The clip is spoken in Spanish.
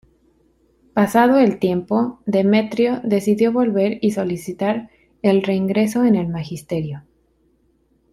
Pasado el tiempo, Demetrio decidió volver y solicitar el reingreso en el magisterio.